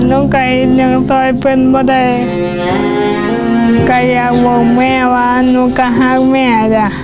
หนูกายเห็นยังต้อยเป็นประใดกายอยากบอกแม่ว่าหนูก็ฮักแม่จ้ะ